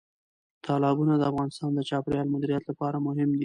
تالابونه د افغانستان د چاپیریال مدیریت لپاره مهم دي.